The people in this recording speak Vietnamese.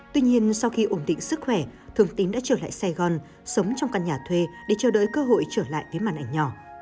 tuy nhiên sau khi ổn định sức khỏe thường tín đã trở lại sài gòn sống trong căn nhà thuê để chờ đợi cơ hội trở lại với màn ảnh nhỏ